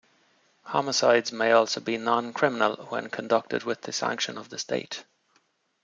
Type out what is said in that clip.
Homicides may also be non-criminal when conducted with the sanction of the state.